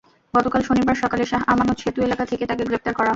গতকাল শনিবার সকালে শাহ আমানত সেতু এলাকা থেকে তাঁকে গ্রেপ্তার করা হয়।